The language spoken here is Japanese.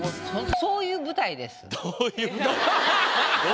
どういう舞台ですか。